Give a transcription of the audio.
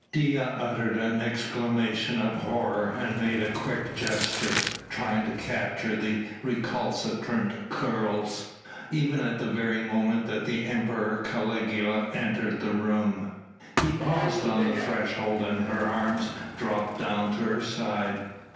Dea uttered an exclamation of horror and made a quick gesture, trying to capture the recalcitrant curls, even at the very moment that the Emperor Caligula entered the room. He paused on the threshold and her arms dropped down to her side.